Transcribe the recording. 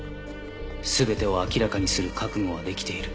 「すべてを明らかにする覚悟は出来ている」